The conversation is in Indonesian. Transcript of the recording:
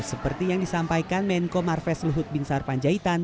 seperti yang disampaikan menko marves luhut bin sarpanjaitan